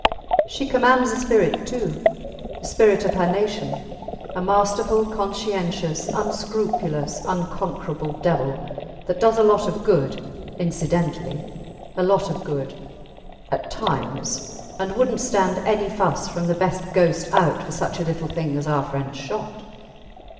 She commands a spirit, too the spirit of her nation; a masterful, conscientious, unscrupulous, unconquerable devil ... that does a lot of good incidentally ... a lot of good ... at times and wouldnt stand any fuss from the best ghost out for such a little thing as our friends shot.